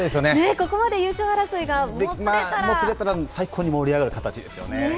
ここまで優勝争いがもつれたらもつれたら最高に盛り上がる形ですよね。